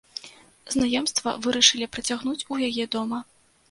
Знаёмства вырашылі працягнуць у яе дома.